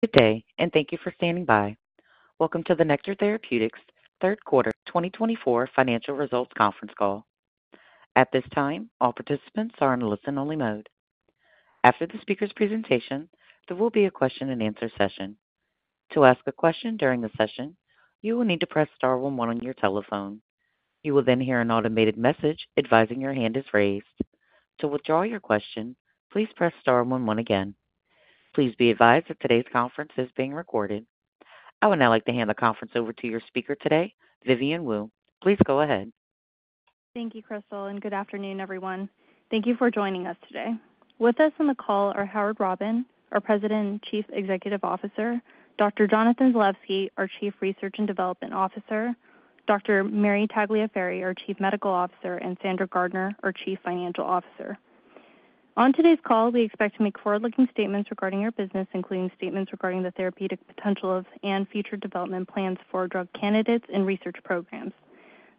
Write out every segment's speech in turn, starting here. Good day, and thank you for standing by. Welcome to the Nektar Therapeutics third quarter 2024 financial results conference call. At this time, all participants are in a listen-only mode. After the speaker's presentation, there will be a question-and-answer session. To ask a question during the session, you will need to press star one one on your telephone. You will then hear an automated message advising your hand is raised. To withdraw your question, please press star one one again. Please be advised that today's conference is being recorded. I would now like to hand the conference over to your speaker today, Vivian Wu. Please go ahead. Thank you, Crystal, and good afternoon, everyone. Thank you for joining us today. With us on the call are Howard Robin, our President and Chief Executive Officer, Dr. Jonathan Zalevsky, our Chief Research and Development Officer, Dr. Mary Tagliaferri, our Chief Medical Officer, and Sandra Gardiner, our Chief Financial Officer. On today's call, we expect to make forward-looking statements regarding our business, including statements regarding the therapeutic potential and future development plans for drug candidates and research programs,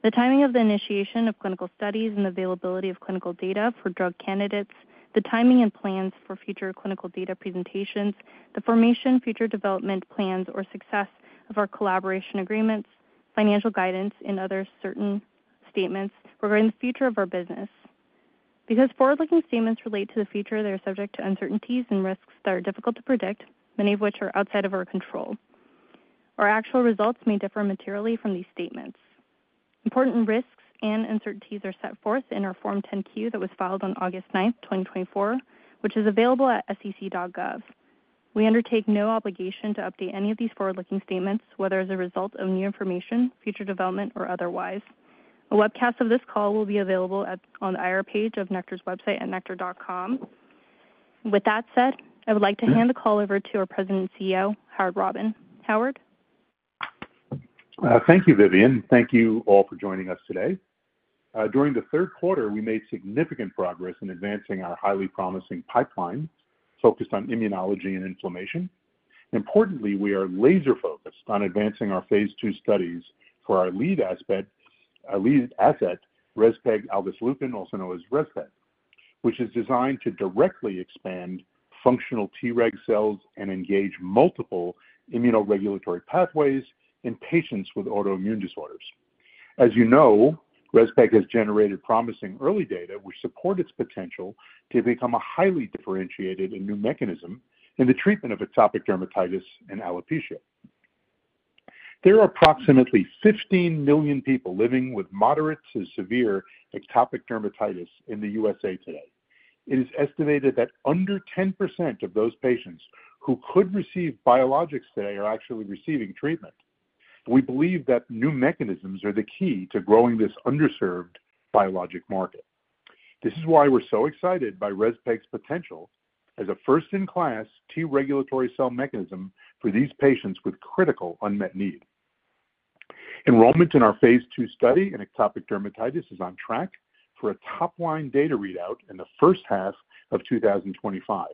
the timing of the initiation of clinical studies and availability of clinical data for drug candidates, the timing and plans for future clinical data presentations, the formation, future development plans, or success of our collaboration agreements, financial guidance, and other certain statements regarding the future of our business. Because forward-looking statements relate to the future, they are subject to uncertainties and risks that are difficult to predict, many of which are outside of our control. Our actual results may differ materially from these statements. Important risks and uncertainties are set forth in our Form 10-Q that was filed on August 9, 2024, which is available at sec.gov. We undertake no obligation to update any of these forward-looking statements, whether as a result of new information, future development, or otherwise. A webcast of this call will be available on the IR page of Nektar's website at nektar.com. With that said, I would like to hand the call over to our President and CEO, Howard Robin. Howard? Thank you, Vivian. Thank you all for joining us today. During the third quarter, we made significant progress in advancing our highly promising pipeline focused on immunology and inflammation. Importantly, we are laser-focused on advancing our phase II studies for our lead asset, rezpegaldesleukin, also known as REZPEG, which is designed to directly expand functional Treg cells and engage multiple immunoregulatory pathways in patients with autoimmune disorders. As you know, REZPEG has generated promising early data which support its potential to become a highly differentiated and new mechanism in the treatment of atopic dermatitis and alopecia. There are approximately 15 million people living with moderate to severe atopic dermatitis in the U.S.A. today. It is estimated that under 10% of those patients who could receive biologics today are actually receiving treatment. We believe that new mechanisms are the key to growing this underserved biologic market. This is why we're so excited by REZPEG's potential as a first-in-class T regulatory cell mechanism for these patients with critical unmet need. Enrollment in our phase II study in atopic dermatitis is on track for a top-line data readout in the first half of 2025.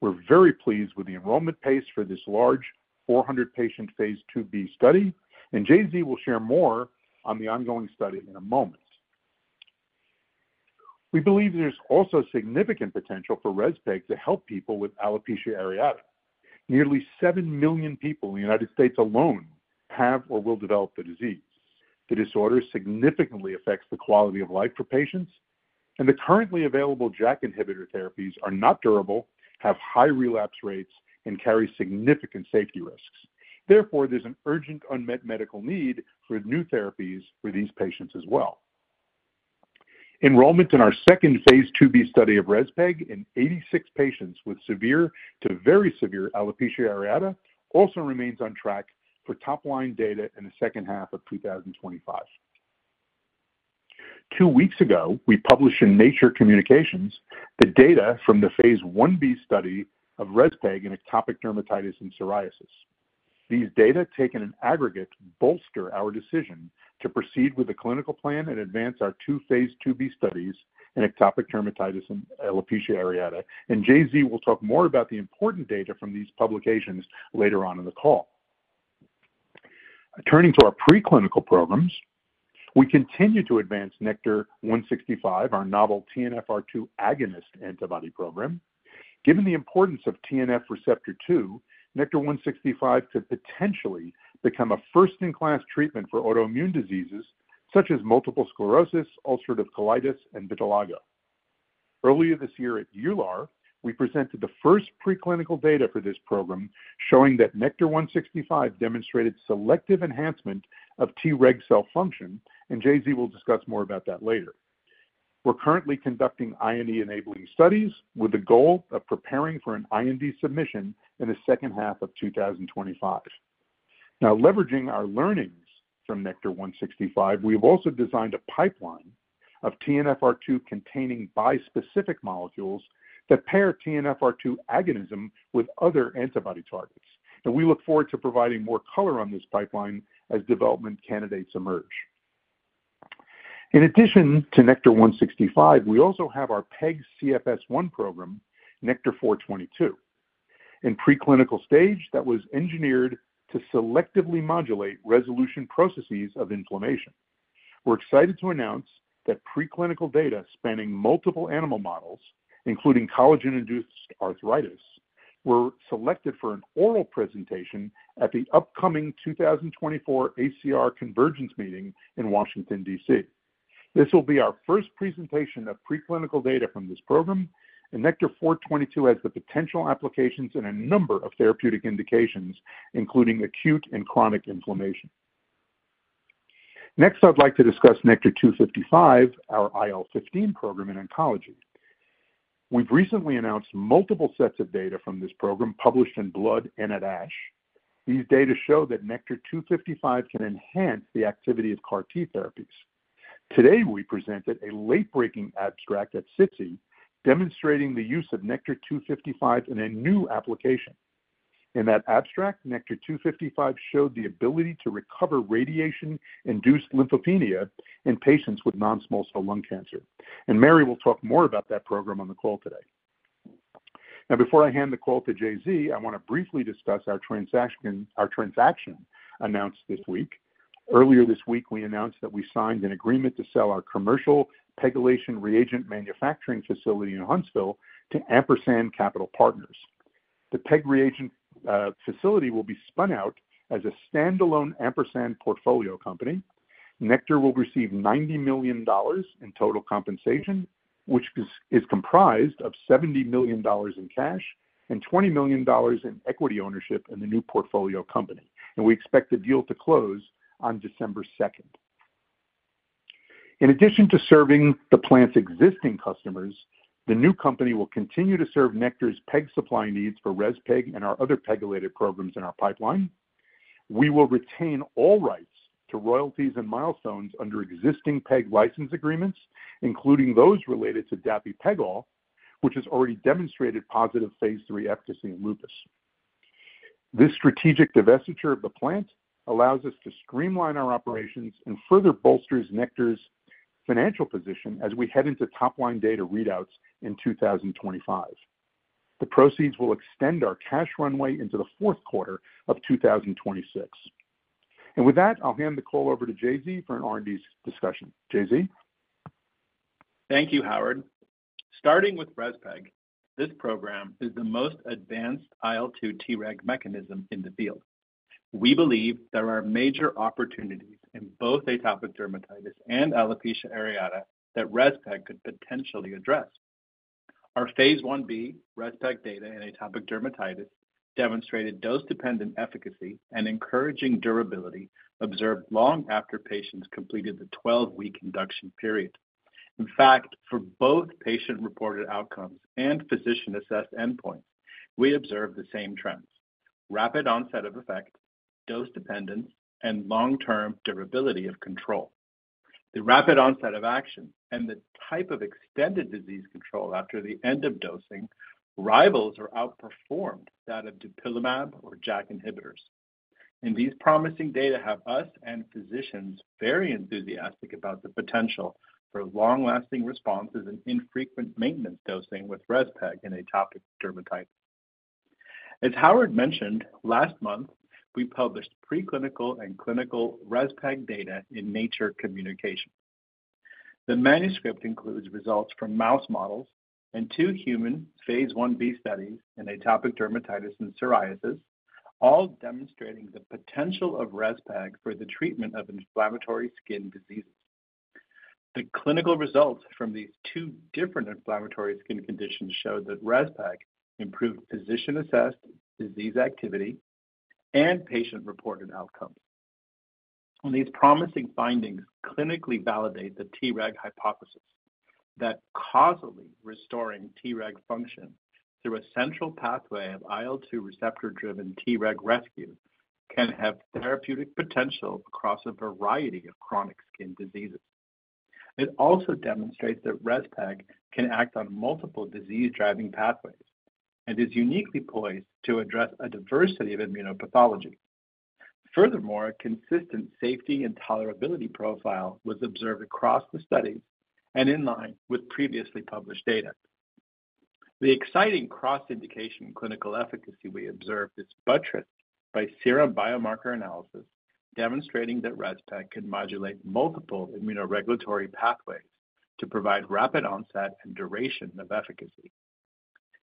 We're very pleased with the enrollment pace for this large 400-patient phase II-B study, and J.Z. will share more on the ongoing study in a moment. We believe there's also significant potential for REZPEG to help people with alopecia areata. Nearly seven million people in the United States alone have or will develop the disease. The disorder significantly affects the quality of life for patients, and the currently available JAK inhibitor therapies are not durable, have high relapse rates, and carry significant safety risks. Therefore, there's an urgent unmet medical need for new therapies for these patients as well. Enrollment in our second phase II-B study of REZPEG in 86 patients with severe to very severe alopecia areata also remains on track for top-line data in the second half of 2025. Two weeks ago, we published in Nature Communications the data from the phase I-B study of REZPEG in atopic dermatitis and psoriasis. These data, taken in aggregate, bolster our decision to proceed with the clinical plan and advance our two phase II-B studies in atopic dermatitis and alopecia areata, and J.Z. will talk more about the important data from these publications later on in the call. Turning to our preclinical programs, we continue to advance NKTR-0165, our novel TNFR2 agonist antibody program. Given the importance of TNF receptor II, NKTR-0165 could potentially become a first-in-class treatment for autoimmune diseases such as multiple sclerosis, ulcerative colitis, and vitiligo. Earlier this year at EULAR, we presented the first preclinical data for this program showing that NKTR-0165 demonstrated selective enhancement of Treg cell function, and J.Z. will discuss more about that later. We're currently conducting IND-enabling studies with the goal of preparing for an IND submission in the second half of 2025. Now, leveraging our learnings from NKTR-0165, we have also designed a pipeline of TNFR2 containing bispecific molecules that pair TNFR2 agonism with other antibody targets. And we look forward to providing more color on this pipeline as development candidates emerge. In addition to NKTR-0165, we also have our PEG-CSF1 program, NKTR-422, in preclinical stage that was engineered to selectively modulate resolution processes of inflammation. We're excited to announce that preclinical data spanning multiple animal models, including collagen-induced arthritis, were selected for an oral presentation at the upcoming 2024 ACR Convergence meeting in Washington, D.C. This will be our first presentation of preclinical data from this program, and NKTR-422 has the potential applications in a number of therapeutic indications, including acute and chronic inflammation. Next, I'd like to discuss NKTR-255, our IL-15 program in oncology. We've recently announced multiple sets of data from this program published in Blood and at ASH. These data show that NKTR-255 can enhance the activity of CAR-T therapies. Today, we presented a late-breaking abstract at SITC demonstrating the use of NKTR-255 in a new application. In that abstract, NKTR-255 showed the ability to recover radiation-induced lymphopenia in patients with non-small cell lung cancer, and Mary will talk more about that program on the call today. Now, before I hand the call to J.Z., I want to briefly discuss our transaction announced this week. Earlier this week, we announced that we signed an agreement to sell our commercial pegylation reagent manufacturing facility in Huntsville to Ampersand Capital Partners. The peg reagent facility will be spun out as a standalone Ampersand portfolio company. Nektar will receive $90 million in total compensation, which is comprised of $70 million in cash and $20 million in equity ownership in the new portfolio company. We expect the deal to close on December 2nd. In addition to serving the plant's existing customers, the new company will continue to serve Nektar's peg supply needs for REZPEG and our other pegylated programs in our pipeline. We will retain all rights to royalties and milestones under existing peg license agreements, including those related to dapirolizumab pegol, which has already demonstrated positive phase III efficacy in lupus. This strategic divestiture of the plant allows us to streamline our operations and further bolsters Nektar's financial position as we head into top-line data readouts in 2025. The proceeds will extend our cash runway into the fourth quarter of 2026. And with that, I'll hand the call over to J.Z. for an R&D discussion. J.Z. Thank you, Howard. Starting with REZPEG, this program is the most advanced IL-2 Treg mechanism in the field. We believe there are major opportunities in both atopic dermatitis and alopecia areata that REZPEG could potentially address. Our phase I-B REZPEG data in atopic dermatitis demonstrated dose-dependent efficacy and encouraging durability observed long after patients completed the 12-week induction period. In fact, for both patient-reported outcomes and physician-assessed endpoints, we observed the same trends: rapid onset of effect, dose-dependence, and long-term durability of control. The rapid onset of action and the type of extended disease control after the end of dosing rivals or outperformed that of dupilumab or JAK inhibitors. And these promising data have us and physicians very enthusiastic about the potential for long-lasting responses and infrequent maintenance dosing with REZPEG in atopic dermatitis. As Howard mentioned, last month, we published preclinical and clinical REZPEG data in Nature Communications. The manuscript includes results from mouse models and two human phase I-B studies in atopic dermatitis and psoriasis, all demonstrating the potential of REZPEG for the treatment of inflammatory skin diseases. The clinical results from these two different inflammatory skin conditions show that REZPEG improved physician-assessed disease activity and patient-reported outcomes and these promising findings clinically validate the Treg hypothesis that causally restoring Treg function through a central pathway of IL-2 receptor-driven Treg rescue can have therapeutic potential across a variety of chronic skin diseases. It also demonstrates that REZPEG can act on multiple disease-driving pathways and is uniquely poised to address a diversity of immunopathology. Furthermore, a consistent safety and tolerability profile was observed across the studies and in line with previously published data. The exciting cross-indication clinical efficacy we observed is buttressed by serum biomarker analysis demonstrating that REZPEG can modulate multiple immunoregulatory pathways to provide rapid onset and duration of efficacy.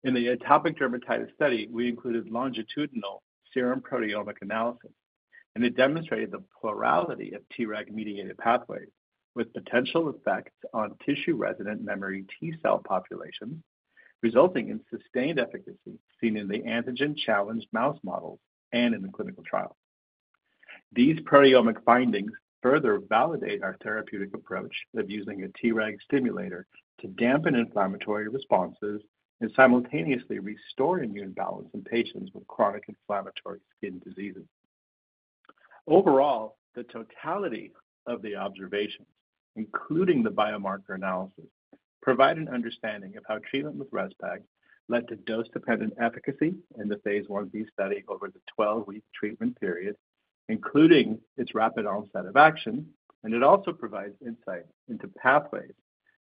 In the atopic dermatitis study, we included longitudinal serum proteomic analysis, and it demonstrated the plurality of Treg-mediated pathways with potential effects on tissue-resident memory T cell populations, resulting in sustained efficacy seen in the antigen-challenged mouse models and in the clinical trial. These proteomic findings further validate our therapeutic approach of using a Treg stimulator to dampen inflammatory responses and simultaneously restore immune balance in patients with chronic inflammatory skin diseases. Overall, the totality of the observations, including the biomarker analysis, provide an understanding of how treatment with REZPEG led to dose-dependent efficacy in the phase I-B study over the 12-week treatment period, including its rapid onset of action, and it also provides insight into pathways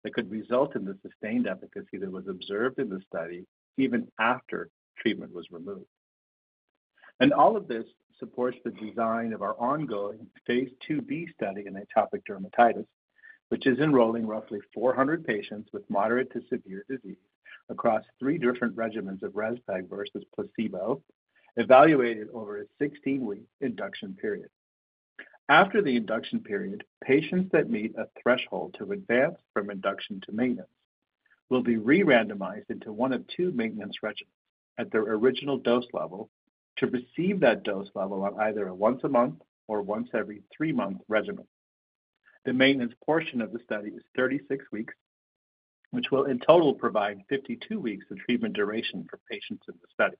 that could result in the sustained efficacy that was observed in the study even after treatment was removed, and all of this supports the design of our ongoing phase II-B study in atopic dermatitis, which is enrolling roughly 400 patients with moderate to severe disease across three different regimens of REZPEG versus placebo, evaluated over a 16-week induction period. After the induction period, patients that meet a threshold to advance from induction to maintenance will be re-randomized into one of two maintenance regimens at their original dose level to receive that dose level on either a once-a-month or once-every-three-month regimen. The maintenance portion of the study is 36 weeks, which will in total provide 52 weeks of treatment duration for patients in the study.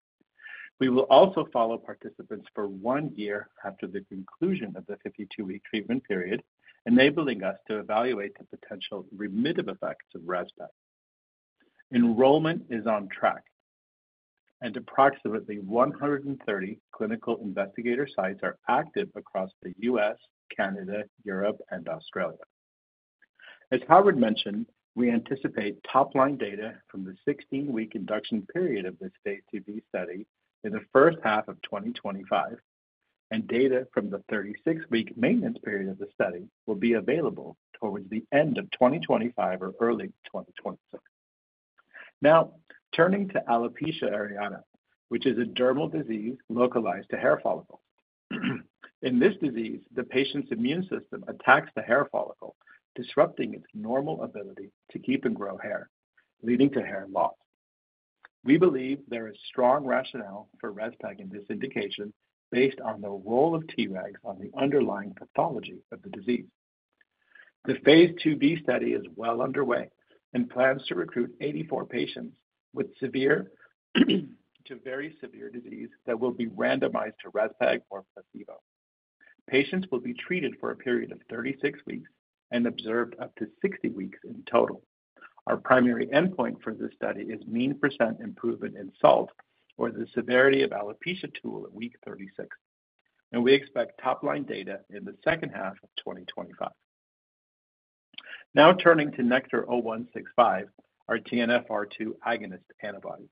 We will also follow participants for one year after the conclusion of the 52-week treatment period, enabling us to evaluate the potential remissive effects of REZPEG. Enrollment is on track, and approximately 130 clinical investigator sites are active across the U.S., Canada, Europe, and Australia. As Howard mentioned, we anticipate top-line data from the 16-week induction period of this phase II-B study in the first half of 2025, and data from the 36-week maintenance period of the study will be available towards the end of 2025 or early 2026. Now, turning to alopecia areata, which is a dermal disease localized to hair follicles. In this disease, the patient's immune system attacks the hair follicle, disrupting its normal ability to keep and grow hair, leading to hair loss. We believe there is strong rationale for REZPEG in this indication based on the role of Tregs on the underlying pathology of the disease. The phase II-B study is well underway and plans to recruit 84 patients with severe to very severe disease that will be randomized to REZPEG or placebo. Patients will be treated for a period of 36 weeks and observed up to 60 weeks in total. Our primary endpoint for this study is mean % improvement in SALT, or the Severity of Alopecia Tool at week 36. We expect top-line data in the second half of 2025. Now, turning to NKTR-0165, our TNFR2 agonist antibody.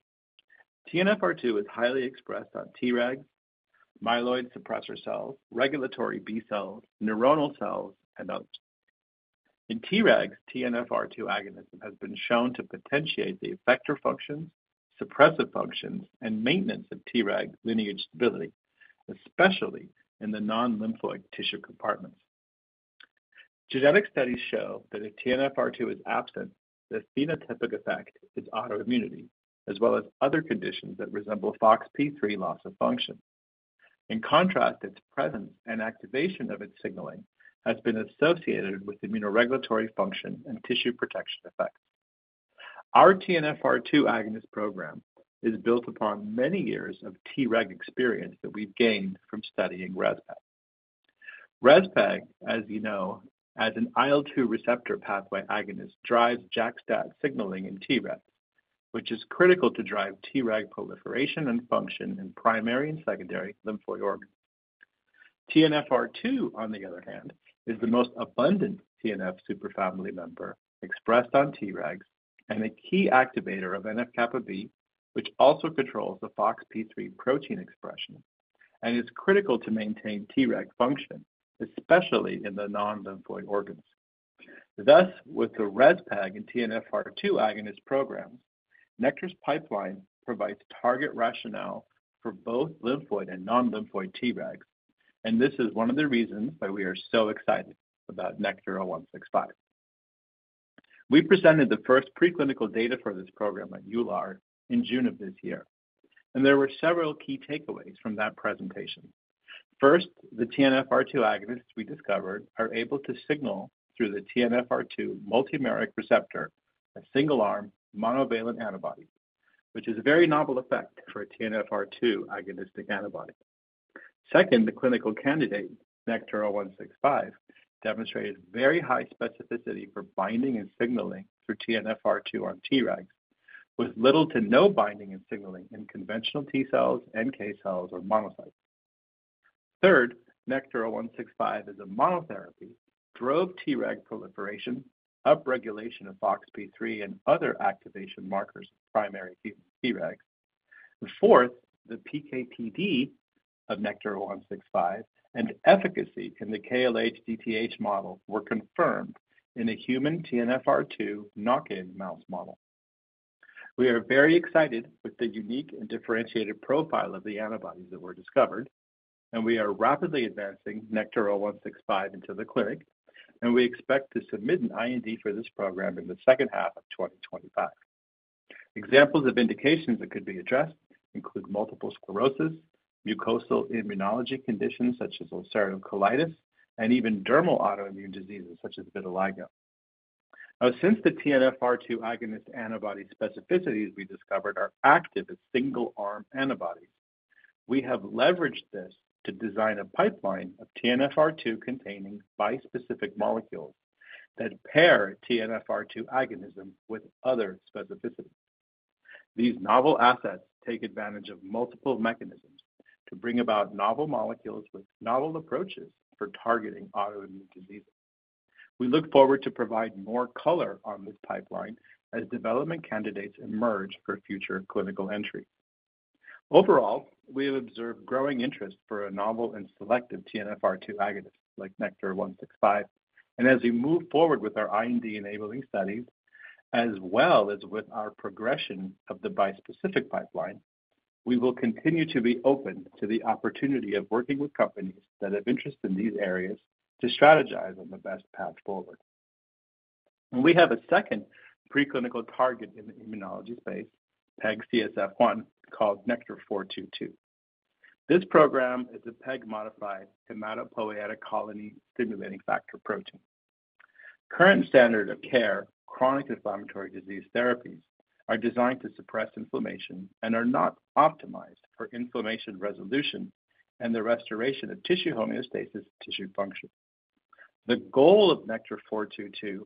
TNFR2 is highly expressed on Tregs, myeloid suppressor cells, regulatory B cells, neuronal cells, and others. In Tregs, TNFR2 agonism has been shown to potentiate the effector functions, suppressive functions, and maintenance of Treg lineage stability, especially in the non-lymphatic tissue compartments. Genetic studies show that if TNFR2 is absent, the phenotypic effect is autoimmunity, as well as other conditions that resemble FOXP3 loss of function. In contrast, its presence and activation of its signaling has been associated with immunoregulatory function and tissue protection effects. Our TNFR2 agonist program is built upon many years of Treg experience that we've gained from studying REZPEG. REZPEG, as you know, as an IL-2 receptor pathway agonist, drives JAK-STAT signaling in Tregs, which is critical to drive Treg proliferation and function in primary and secondary lymphoid organs. TNFR2, on the other hand, is the most abundant TNF superfamily member expressed on Tregs and a key activator of NF-kappaB, which also controls the FOXP3 protein expression and is critical to maintain Treg function, especially in the non-lymphoid organs. Thus, with the REZPEG and TNFR2 agonist programs, Nektar's pipeline provides target rationale for both lymphoid and non-lymphoid Tregs, and this is one of the reasons why we are so excited about NKTR-0165. We presented the first preclinical data for this program at EULAR in June of this year, and there were several key takeaways from that presentation. First, the TNFR2 agonists we discovered are able to signal through the TNFR2 multimeric receptor, a single-arm, monovalent antibody, which is a very novel effect for a TNFR2 agonistic antibody. Second, the clinical candidate, NKTR-0165, demonstrated very high specificity for binding and signaling through TNFR2 on Tregs, with little to no binding and signaling in conventional T cells, NK cells, or monocytes. Third, NKTR-0165 is a monotherapy, drove Treg proliferation, upregulation of FOXP3 and other activation markers of primary Tregs, and fourth, the PK/PD of NKTR-0165 and efficacy in the KLH DTH model were confirmed in a human TNFR2 knock-in mouse model. We are very excited with the unique and differentiated profile of the antibodies that were discovered, and we are rapidly advancing NKTR-0165 into the clinic, and we expect to submit an IND for this program in the second half of 2025. Examples of indications that could be addressed include multiple sclerosis, mucosal immunology conditions such as ulcerative colitis, and even dermal autoimmune diseases such as vitiligo. Now, since the TNFR2 agonist antibody specificities we discovered are active as single-arm antibodies, we have leveraged this to design a pipeline of TNFR2 containing bispecific molecules that pair TNFR2 agonism with other specificities. These novel assets take advantage of multiple mechanisms to bring about novel molecules with novel approaches for targeting autoimmune diseases. We look forward to providing more color on this pipeline as development candidates emerge for future clinical entry. Overall, we have observed growing interest for a novel and selective TNFR2 agonist like NKTR-0165, and as we move forward with our IND-enabling studies, as well as with our progression of the bispecific pipeline, we will continue to be open to the opportunity of working with companies that have interest in these areas to strategize on the best path forward. And we have a second preclinical target in the immunology space, PEG-CSF1, called NKTR-422. This program is a PEG-modified hematopoietic colony stimulating factor protein. Current standard of care, chronic inflammatory disease therapies are designed to suppress inflammation and are not optimized for inflammation resolution and the restoration of tissue homeostasis and tissue function. The goal of NKTR-422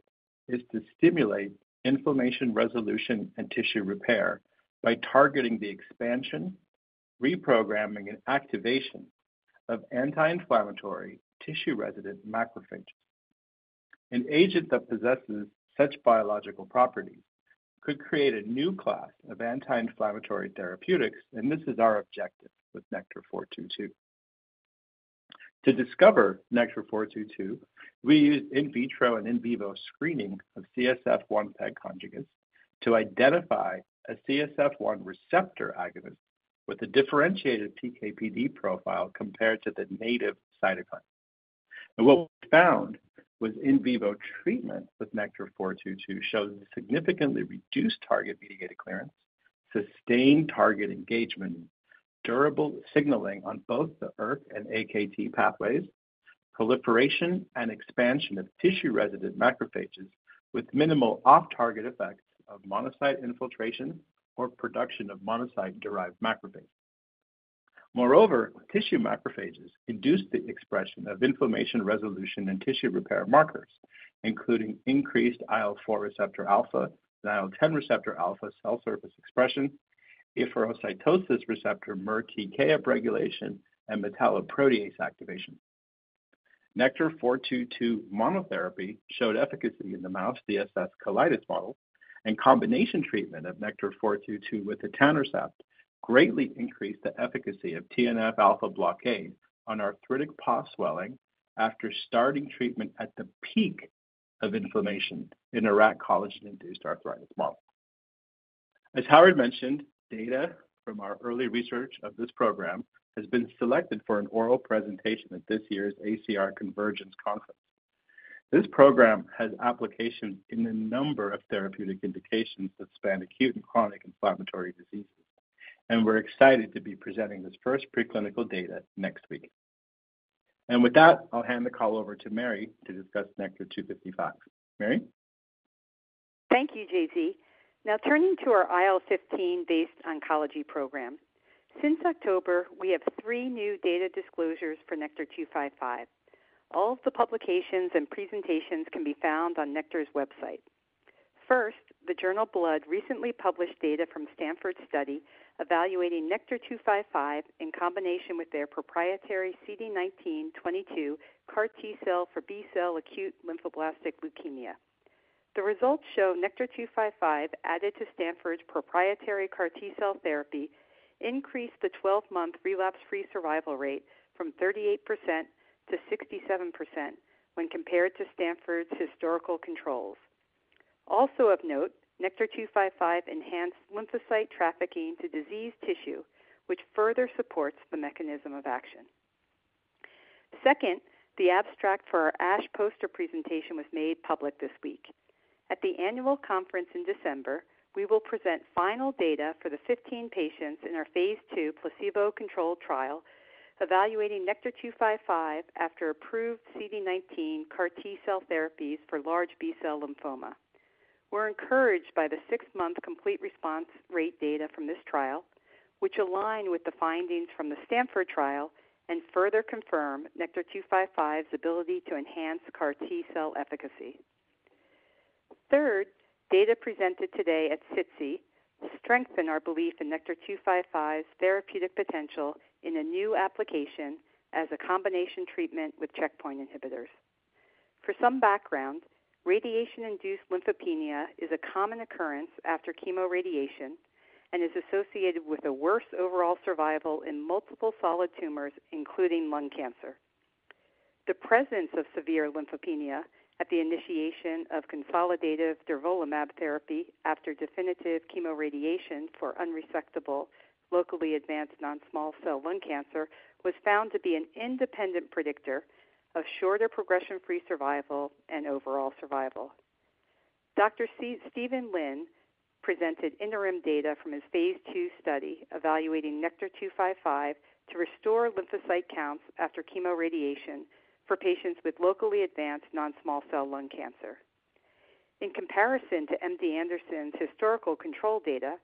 is to stimulate inflammation resolution and tissue repair by targeting the expansion, reprogramming, and activation of anti-inflammatory tissue-resident macrophages. An agent that possesses such biological properties could create a new class of anti-inflammatory therapeutics, and this is our objective with NKTR-422. To discover NKTR-422, we used in vitro and in vivo screening of CSF1 PEG conjugates to identify a CSF1 receptor agonist with a differentiated PK/PD profile compared to the native cytokine. And what we found was in vivo treatment with NKTR-422 shows a significantly reduced target-mediated clearance, sustained target engagement, durable signaling on both the ERK and AKT pathways, proliferation and expansion of tissue-resident macrophages with minimal off-target effects of monocyte infiltration or production of monocyte-derived macrophages. Moreover, tissue macrophages induce the expression of inflammation resolution and tissue repair markers, including increased IL-4 receptor alpha and IL-10 receptor alpha cell surface expression, efferocytosis receptor MERTK upregulation, and metalloproteinase activation. NKTR-422 monotherapy showed efficacy in the mouse DSS colitis model, and combination treatment of NKTR-422 with etanercept greatly increased the efficacy of TNF-alpha blockade on arthritic paw swelling after starting treatment at the peak of inflammation in a rat collagen-induced arthritis model. As Howard mentioned, data from our early research of this program has been selected for an oral presentation at this year's ACR Convergence Conference. This program has applications in a number of therapeutic indications that span acute and chronic inflammatory diseases, and we're excited to be presenting this first preclinical data next week. And with that, I'll hand the call over to Mary to discuss NKTR-255. Mary? Thank you, J.Z. Now, turning to our IL-15 based oncology program, since October, we have three new data disclosures for NKTR-255. All of the publications and presentations can be found on Nektar's website. First, Blood recently published data from Stanford's study evaluating NKTR-255 in combination with their proprietary CD19-22 CAR-T cell for B-cell acute lymphoblastic leukemia. The results show NKTR-255 added to Stanford's proprietary CAR-T cell therapy increased the 12-month relapse-free survival rate from 38% to 67% when compared to Stanford's historical controls. Also of note, NKTR-255 enhanced lymphocyte trafficking to diseased tissue, which further supports the mechanism of action. Second, the abstract for our ASH poster presentation was made public this week. At the annual conference in December, we will present final data for the 15 patients in our phase II placebo-controlled trial evaluating NKTR-255 after approved CD19 CAR T cell therapies for large B cell lymphoma. We're encouraged by the six-month complete response rate data from this trial, which align with the findings from the Stanford trial and further confirm NKTR-255's ability to enhance CAR T cell efficacy. Third, data presented today at SITC strengthen our belief in NKTR-255's therapeutic potential in a new application as a combination treatment with checkpoint inhibitors. For some background, radiation-induced lymphopenia is a common occurrence after chemoradiation and is associated with a worse overall survival in multiple solid tumors, including lung cancer. The presence of severe lymphopenia at the initiation of consolidative durvalumab therapy after definitive chemoradiation for unresectable, locally advanced non-small cell lung cancer was found to be an independent predictor of shorter progression-free survival and overall survival. Dr. Steven Lin presented interim data from his phase II study evaluating NKTR-255 to restore lymphocyte counts after chemoradiation for patients with locally advanced non-small cell lung cancer. In comparison to MD Anderson's historical control data,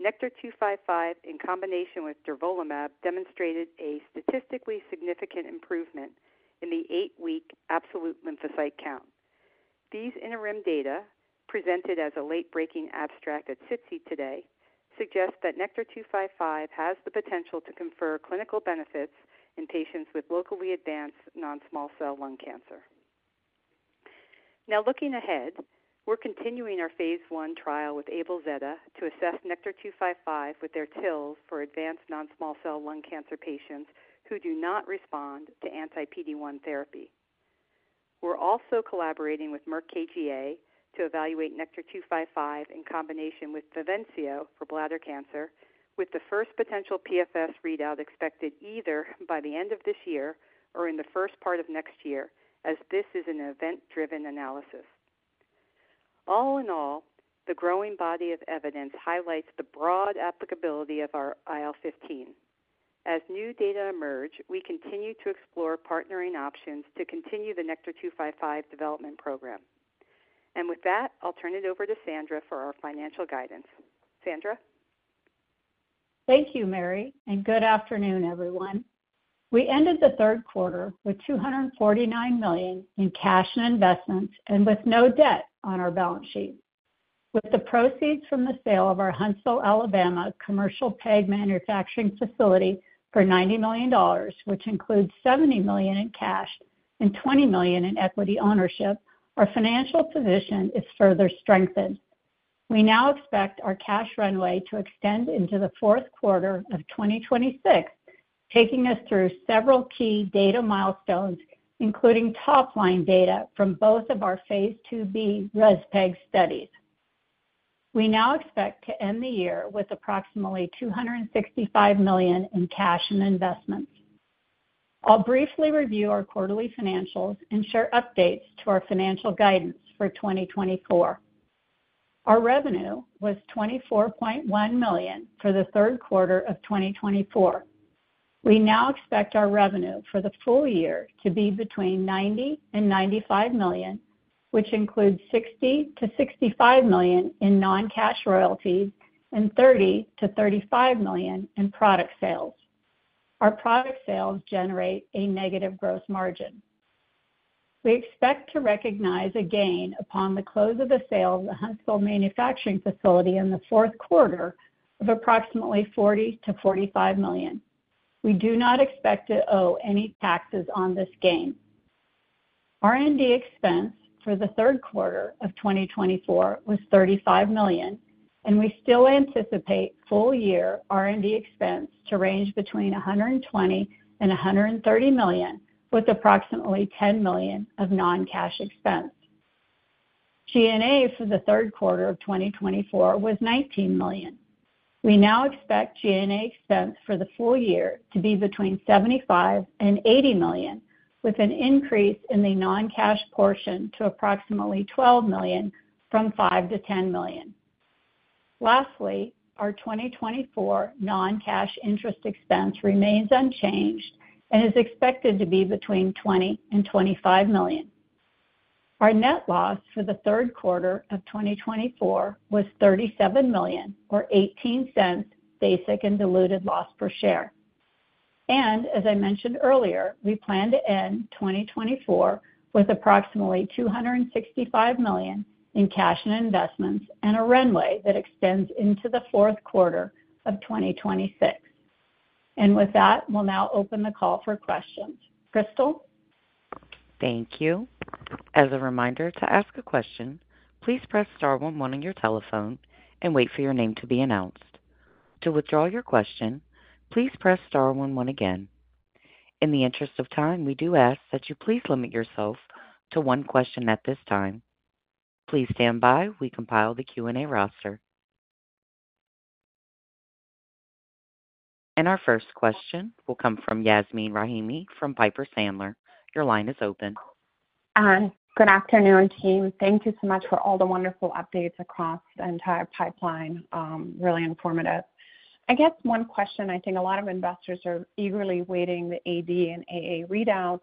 NKTR-255 in combination with durvalumab demonstrated a statistically significant improvement in the eight-week absolute lymphocyte count. These interim data, presented as a late-breaking abstract at SITC today, suggest that NKTR-255 has the potential to confer clinical benefits in patients with locally advanced non-small cell lung cancer. Now, looking ahead, we're continuing our phase I trial with AbelZeta to assess NKTR-255 with their TILs for advanced non-small cell lung cancer patients who do not respond to anti-PD-1 therapy. We're also collaborating with Merck KGaA to evaluate NKTR-255 in combination with Bavencio for bladder cancer, with the first potential PFS readout expected either by the end of this year or in the first part of next year, as this is an event-driven analysis. All in all, the growing body of evidence highlights the broad applicability of our IL-15. As new data emerge, we continue to explore partnering options to continue the NKTR-255 development program. And with that, I'll turn it over to Sandra for our financial guidance. Sandra? Thank you, Mary, and good afternoon, everyone. We ended the third quarter with $249 million in cash and investments and with no debt on our balance sheet. With the proceeds from the sale of our Huntsville, Alabama, commercial PEG manufacturing facility for $90 million, which includes $70 million in cash and $20 million in equity ownership, our financial position is further strengthened. We now expect our cash runway to extend into the fourth quarter of 2026, taking us through several key data milestones, including top-line data from both of our phase II-B REZPEG studies. We now expect to end the year with approximately $265 million in cash and investments. I'll briefly review our quarterly financials and share updates to our financial guidance for 2024. Our revenue was $24.1 million for the third quarter of 2024. We now expect our revenue for the full year to be between $90 million and $95 million, which includes $60 million-$65 million in non-cash royalties and $30 million-$35 million in product sales. Our product sales generate a negative gross margin. We expect to recognize a gain upon the close of the sale of the Huntsville manufacturing facility in the fourth quarter of approximately $40 million-$45 million. We do not expect to owe any taxes on this gain. R&D expense for the third quarter of 2024 was $35 million, and we still anticipate full-year R&D expense to range between $120 million and $130 million, with approximately $10 million of non-cash expense. G&A for the third quarter of 2024 was $19 million. We now expect G&A expense for the full year to be between $75 million and $80 million, with an increase in the non-cash portion to approximately $12 million from $5 million-$10 million. Lastly, our 2024 non-cash interest expense remains unchanged and is expected to be between $20 million and $25 million. Our net loss for the third quarter of 2024 was $37 million, or $0.18 basic and diluted loss per share. And as I mentioned earlier, we plan to end 2024 with approximately $265 million in cash and investments and a runway that extends into the fourth quarter of 2026. And with that, we'll now open the call for questions. Crystal? Thank you. As a reminder to ask a question, please press star one one on your telephone and wait for your name to be announced. To withdraw your question, please press star one one again. In the interest of time, we do ask that you please limit yourself to one question at this time. Please stand by while we compile the Q&A roster. And our first question will come from Yasmeen Rahimi from Piper Sandler. Your line is open. Good afternoon, team. Thank you so much for all the wonderful updates across the entire pipeline. Really informative. I guess one question I think a lot of investors are eagerly waiting for the AD and AA readouts,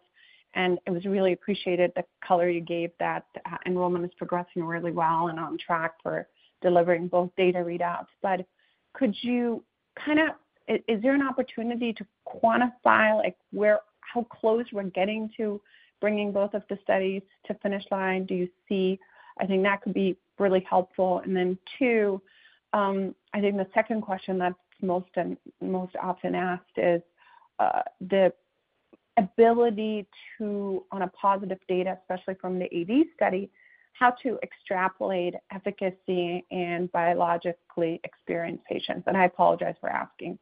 and it was really appreciated, the color you gave that enrollment is progressing really well and on track for delivering both data readouts. But could you kind of, is there an opportunity to quantify how close we're getting to bringing both of the studies to the finish line? Do you see? I think that could be really helpful. And then two, I think the second question that's most often asked is the ability to, on a positive data, especially from the AD study, how to extrapolate efficacy in biologic-experienced patients. And I apologize for asking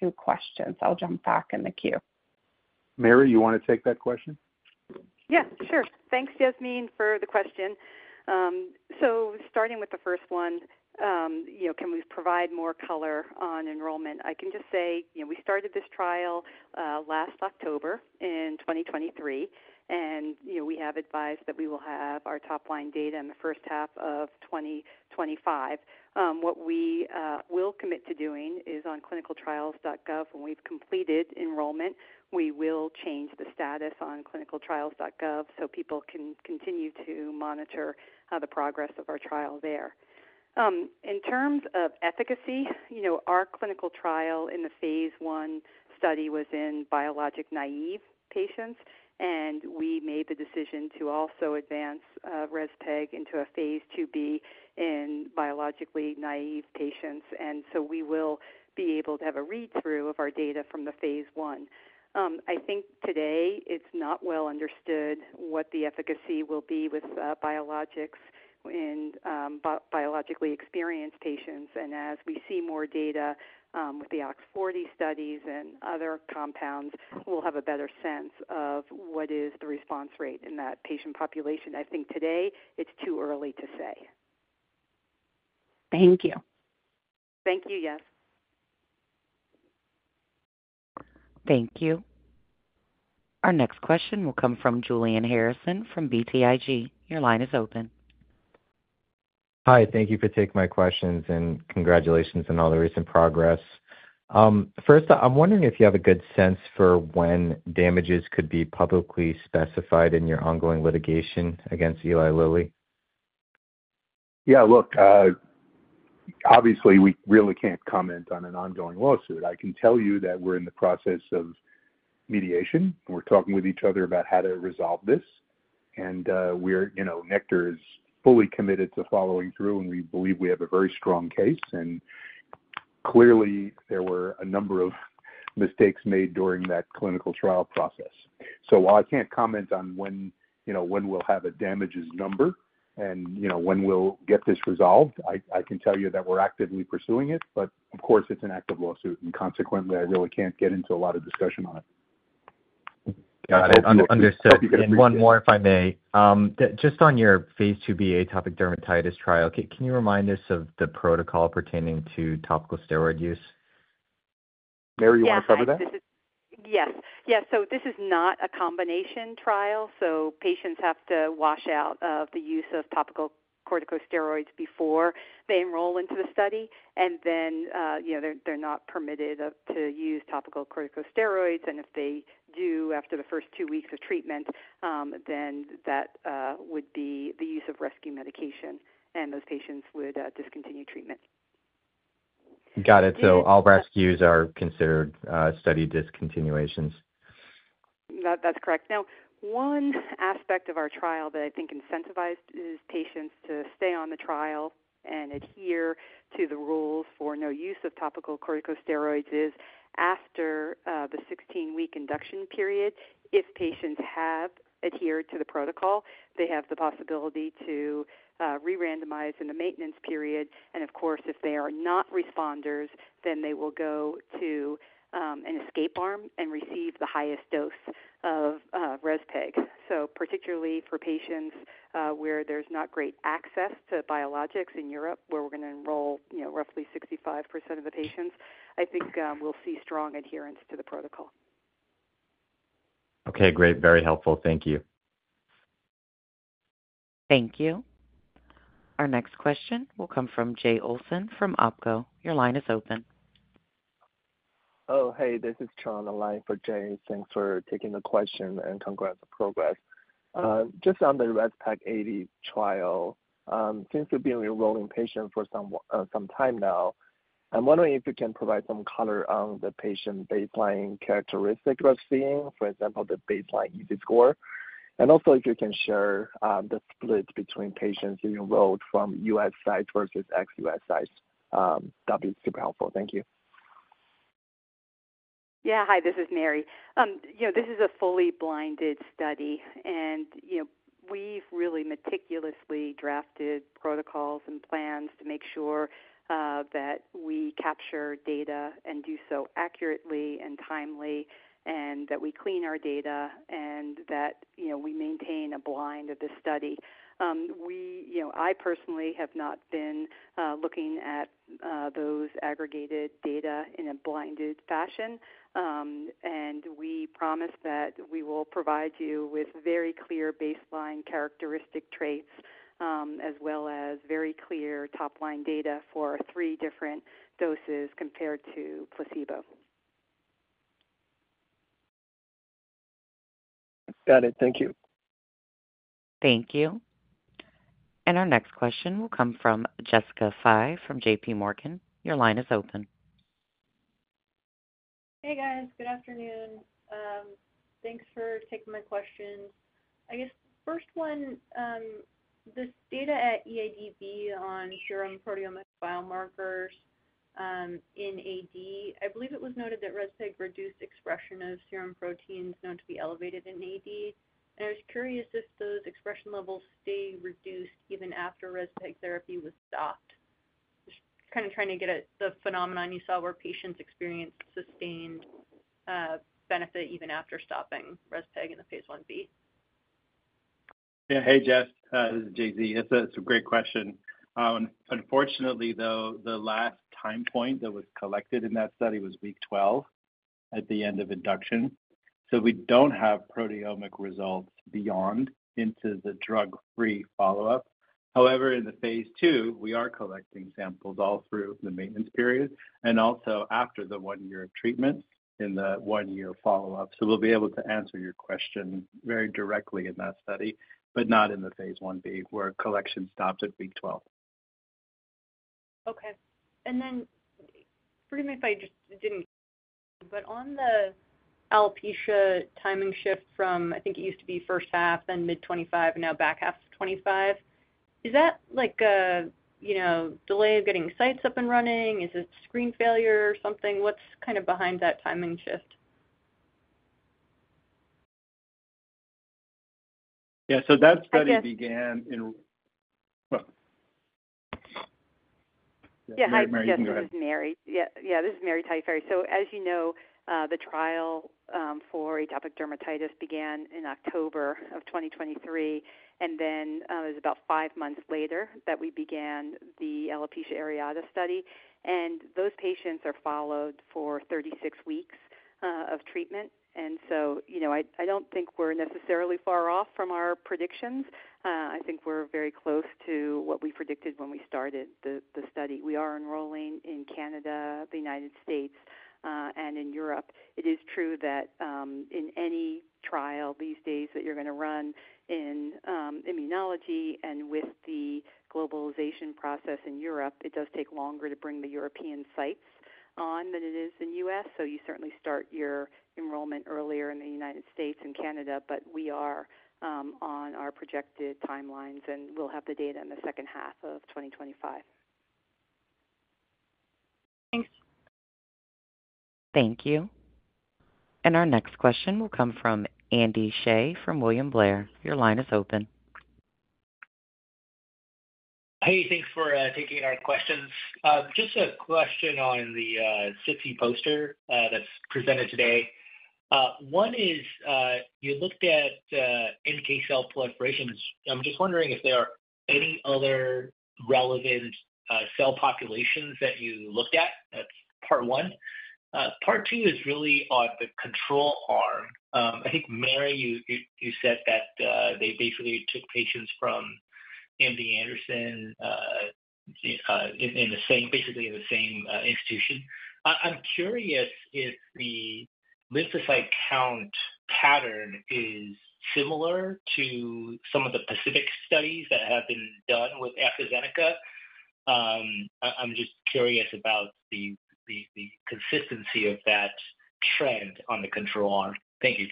two questions. I'll jump back in the queue. Mary, you want to take that question? Yes, sure. Thanks, Yasmeen, for the question. So starting with the first one, can we provide more color on enrollment? I can just say we started this trial last October in 2023, and we have advised that we will have our top-line data in the first half of 2025. What we will commit to doing is on clinicaltrials.gov. When we've completed enrollment, we will change the status on clinicaltrials.gov so people can continue to monitor the progress of our trial there. In terms of efficacy, our clinical trial in the phase I study was in biologically naive patients, and we made the decision to also advance REZPEG into a phase II-B in biologically naive patients. And so we will be able to have a read-through of our data from the phase I. I think today it's not well understood what the efficacy will be with biologics in biologically experienced patients. As we see more data with the OX40 studies and other compounds, we'll have a better sense of what is the response rate in that patient population. I think today it's too early to say. Thank you. Thank you, Yasmeen. Thank you. Our next question will come from Julian Harrison from BTIG. Your line is open. Hi. Thank you for taking my questions and congratulations on all the recent progress. First, I'm wondering if you have a good sense for when damages could be publicly specified in your ongoing litigation against Eli Lilly? Yeah, look, obviously, we really can't comment on an ongoing lawsuit. I can tell you that we're in the process of mediation. We're talking with each other about how to resolve this. And Nektar is fully committed to following through, and we believe we have a very strong case. Clearly, there were a number of mistakes made during that clinical trial process. So while I can't comment on when we'll have a damages number and when we'll get this resolved, I can tell you that we're actively pursuing it. But of course, it's an active lawsuit, and consequently, I really can't get into a lot of discussion on it. Got it. Understood. One more, if I may. Just on your phase II-B atopic dermatitis trial, can you remind us of the protocol pertaining to topical steroid use? Mary, you want to cover that? Yes. Yeah. So this is not a combination trial. So patients have to wash out of the use of topical corticosteroids before they enroll into the study. Then they're not permitted to use topical corticosteroids. And if they do after the first two weeks of treatment, then that would be the use of rescue medication, and those patients would discontinue treatment. Got it. So all rescues are considered study discontinuations. That's correct. Now, one aspect of our trial that I think incentivizes patients to stay on the trial and adhere to the rules for no use of topical corticosteroids is after the 16-week induction period, if patients have adhered to the protocol, they have the possibility to re-randomize in the maintenance period. And of course, if they are not responders, then they will go to an escape arm and receive the highest dose of REZPEG. So particularly for patients where there's not great access to biologics in Europe, where we're going to enroll roughly 65% of the patients, I think we'll see strong adherence to the protocol. Okay. Great. Very helpful. Thank you. Thank you. Our next question will come from Jay Olson from Oppenheimer. Your line is open. Oh, hey, this is John on the line for Jay. Thanks for taking the question and congrats on progress. Just on the REZPEG AD trial, since you've been enrolling patients for some time now, I'm wondering if you can provide some color on the patient baseline characteristics we're seeing, for example, the baseline EASI score. And also if you can share the split between patients you enrolled from US sites versus ex-U.S. sites. That'd be super helpful. Thank you. Yeah. Hi, this is Mary. This is a fully blinded study, and we've really meticulously drafted protocols and plans to make sure that we capture data and do so accurately and timely, and that we clean our data, and that we maintain a blind of this study. I personally have not been looking at those aggregated data in a blinded fashion. And we promise that we will provide you with very clear baseline characteristic traits as well as very clear top-line data for three different doses compared to placebo. Got it. Thank you. Thank you. And our next question will come from Jessica Fye from J.P. Morgan. Your line is open. Hey, guys. Good afternoon. Thanks for taking my questions. I guess the first one, this data at EULAR on serum proteomic biomarkers in AD. I believe it was noted that REZPEG reduced expression of serum proteins known to be elevated in AD. And I was curious if those expression levels stayed reduced even after REZPEG therapy was stopped. Just kind of trying to get at the phenomenon you saw where patients experienced sustained benefit even after stopping REZPEG in the phase I-B. Yeah. Hey, Jess. This is J.Z. It's a great question. Unfortunately, though, the last time point that was collected in that study was week 12 at the end of induction. So we don't have proteomic results beyond into the drug-free follow-up. However, in the phase II, we are collecting samples all through the maintenance period and also after the one-year treatment in the one-year follow-up. So we'll be able to answer your question very directly in that study, but not in the phase I-B where collection stopped at week 12. Okay. And then forgive me if I just didn't, but on the alopecia timing shift from, I think it used to be first half, then mid-2025, and now back half of 2025, is that a delay of getting sites up and running? Is it screen failure or something? What's kind of behind that timing shift? Yeah. So that study began in yeah. Hi, Mary. You can go ahead. Yeah. This is Mary Tagliaferri. So as you know, the trial for atopic dermatitis began in October of 2023. And then it was about five months later that we began the alopecia areata study. And those patients are followed for 36 weeks of treatment. And so I don't think we're necessarily far off from our predictions. I think we're very close to what we predicted when we started the study. We are enrolling in Canada, the United States, and in Europe. It is true that in any trial these days that you're going to run in immunology and with the globalization process in Europe, it does take longer to bring the European sites on than it is in the U.S. So you certainly start your enrollment earlier in the United States and Canada, but we are on our projected timelines, and we'll have the data in the second half of 2025. Thanks. Thank you. And our next question will come from Andy Hsieh from William Blair. Your line is open. Hey, thanks for taking our questions. Just a question on the SITC poster that's presented today. One is you looked at NK cell proliferations. I'm just wondering if there are any other relevant cell populations that you looked at. That's part one. Part two is really on the control arm. I think, Mary, you said that they basically took patients from MD Anderson basically in the same institution. I'm curious if the lymphocyte count pattern is similar to some of the specific studies that have been done with AstraZeneca. I'm just curious about the consistency of that trend on the control arm. Thank you.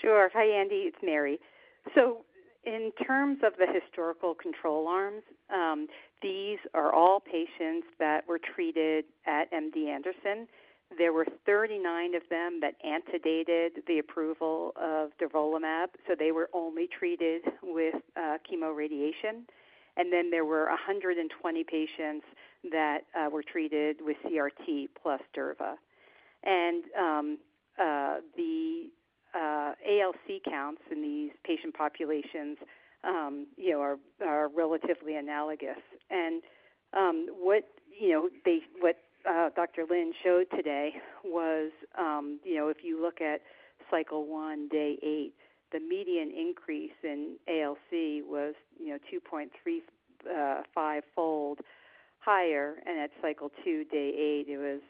Sure. Hi, Andy. It's Mary. So in terms of the historical control arms, these are all patients that were treated at MD Anderson. There were 39 of them that antedated the approval of durvalumab. So they were only treated with chemoradiation. And then there were 120 patients that were treated with CRT plus durva. And the ALC counts in these patient populations are relatively analogous. And what Dr. Lin showed today was if you look at cycle one, day eight, the median increase in ALC was 2.35-fold higher. And at cycle two, day eight, it was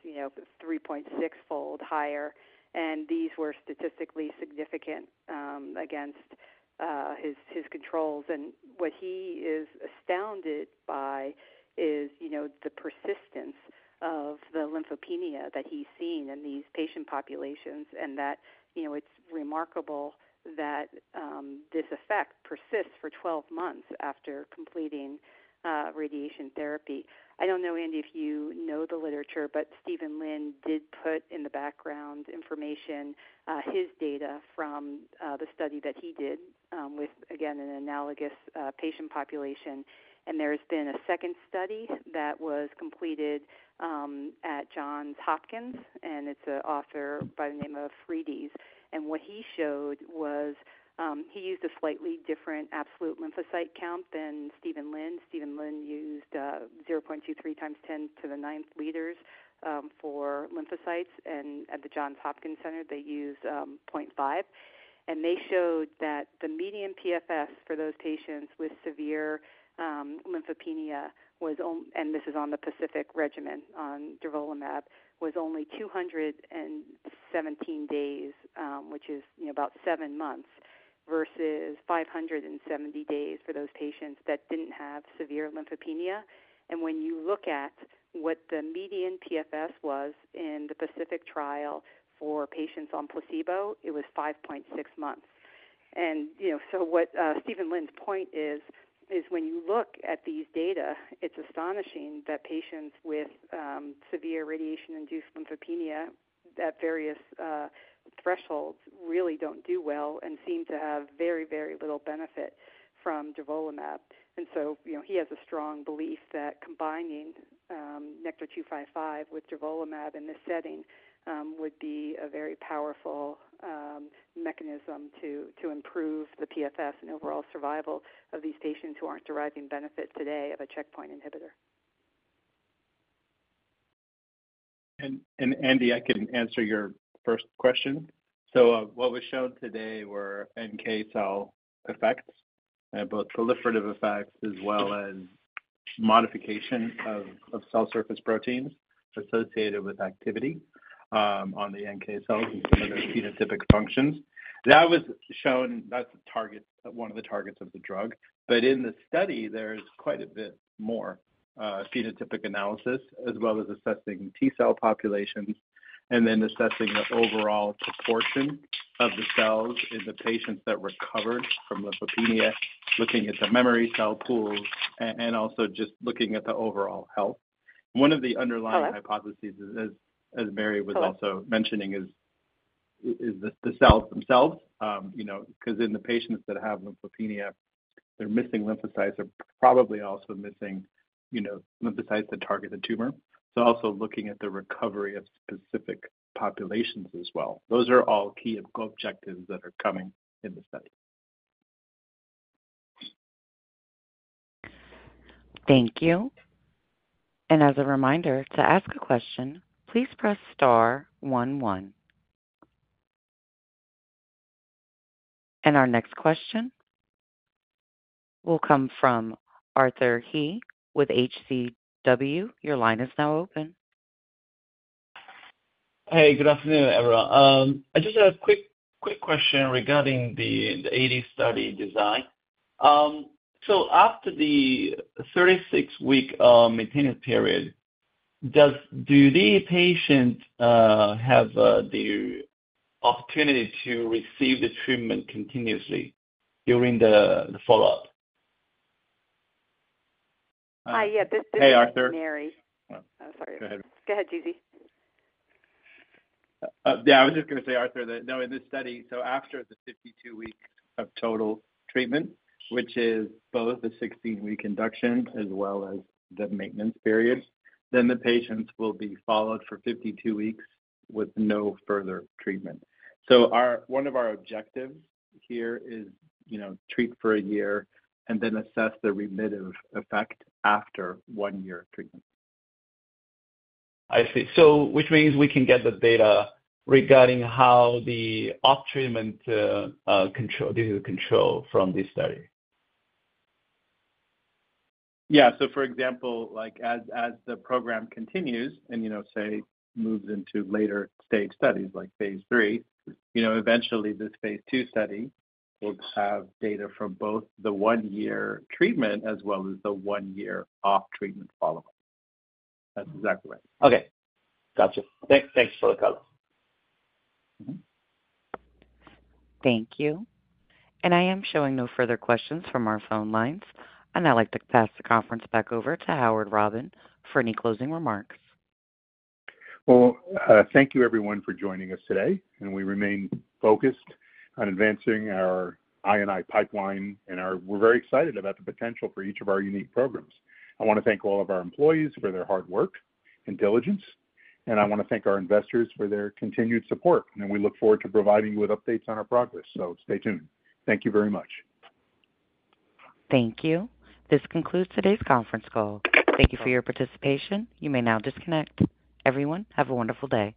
3.6-fold higher. And these were statistically significant against his controls. And what he is astounded by is the persistence of the lymphopenia that he's seen in these patient populations. That it's remarkable that this effect persists for 12 months after completing radiation therapy. I don't know, Andy, if you know the literature, but Steven Lin did put in the background information his data from the study that he did with, again, an analogous patient population. There has been a second study that was completed at Johns Hopkins. And it's authored by the name of Friedes. And what he showed was he used a slightly different absolute lymphocyte count than Steven Lin. Steven Lin used 0.23 times 10 to the ninth per liter for lymphocytes. And at the Johns Hopkins, they used 0.5. And they showed that the median PFS for those patients with severe lymphopenia was, and this is on the PACIFIC regimen on durvalumab, only 217 days, which is about seven months, versus 570 days for those patients that didn't have severe lymphopenia. When you look at what the median PFS was in the PACIFIC trial for patients on placebo, it was 5.6 months. So what Steven Lin's point is, when you look at these data, it's astonishing that patients with severe radiation-induced lymphopenia at various thresholds really don't do well and seem to have very, very little benefit from durvalumab. So he has a strong belief that combining NKTR-255 with durvalumab in this setting would be a very powerful mechanism to improve the PFS and overall survival of these patients who aren't deriving benefit today of a checkpoint inhibitor. Andy, I can answer your first question. So what was shown today were NK cell effects, both proliferative effects as well as modification of cell surface proteins associated with activity on the NK cells and some of their phenotypic functions. That was shown—that's one of the targets of the drug. But in the study, there's quite a bit more phenotypic analysis as well as assessing T-cell populations and then assessing the overall proportion of the cells in the patients that recovered from lymphopenia, looking at the memory cell pools, and also just looking at the overall health. One of the underlying hypotheses, as Mary was also mentioning, is the cells themselves. Because in the patients that have lymphopenia, they're missing lymphocytes. They're probably also missing lymphocytes that target the tumor. So also looking at the recovery of specific populations as well. Those are all key objectives that are coming in the study. Thank you. And as a reminder, to ask a question, please press star one one. And our next question will come from Arthur He with HCW. Your line is now open. Hey, good afternoon, everyone. I just had a quick question regarding the AD study design. So after the 36-week maintenance period, do the patients have the opportunity to receive the treatment continuously during the follow-up? Hi, yeah. This is Mary. Hey, Arthur. Oh, sorry. Go ahead, J.Z. Yeah. I was just going to say, Arthur, that in this study, so after the 52 weeks of total treatment, which is both the 16-week induction as well as the maintenance period, then the patients will be followed for 52 weeks with no further treatment. So one of our objectives here is treat for a year and then assess the remission effect after one-year treatment. I see. So which means we can get the data regarding how the post-treatment disease control from this study. Yeah. So, for example, as the program continues and, say, moves into later stage studies like phase III, eventually this phase II study will have data for both the one-year treatment as well as the one-year post-treatment follow-up. That's exactly right. Okay. Gotcha. Thanks, Jessica. Thank you. And I am showing no further questions from our phone lines. And I'd like to pass the conference back over to Howard Robin for any closing remarks. Well, thank you, everyone, for joining us today. And we remain focused on advancing our INI pipeline. And we're very excited about the potential for each of our unique programs. I want to thank all of our employees for their hard work and diligence. And I want to thank our investors for their continued support. And we look forward to providing you with updates on our progress. So stay tuned. Thank you very much. Thank you. This concludes today's conference call. Thank you for your participation. You may now disconnect. Everyone, have a wonderful day.